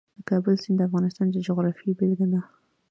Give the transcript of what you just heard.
د کابل سیند د افغانستان د جغرافیې بېلګه ده.